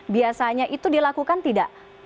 biasanya itu dilakukan tidak